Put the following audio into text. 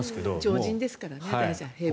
超人ですからね。